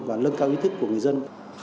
và lân cao ý thức của người dân